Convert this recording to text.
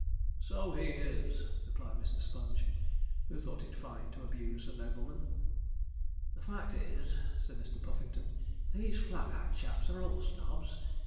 'So he is,' replied Mr. Sponge, who thought it fine to abuse a nobleman. 'The fact is,' said Mr. Puffington, 'these Flat Hat chaps are all snobs.